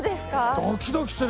ドキドキする。